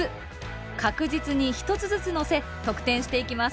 確実に１つずつのせ得点していきます。